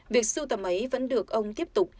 việc sưu tầm ấy vẫn được ông tiếp tục